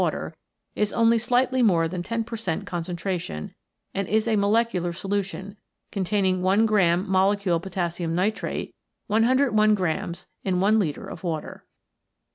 water is only slightly more than 10 per cent con centration, and is a molecular solution, containing one gramm molecule potassium nitrate, 101 gr. in i litre of water.